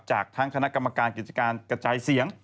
จากทั้งคณะกรรมการกิจการกระจายเสียง